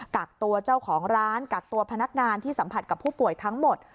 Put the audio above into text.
กักตัวเจ้าของร้านกักตัวพนักงานที่สัมผัสกับผู้ป่วยทั้งหมด